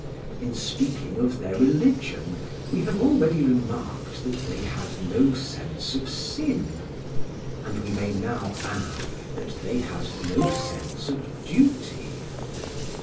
In speaking of their religion we have already remarked that they had no sense of sin; and we may now add that they had no sense of duty.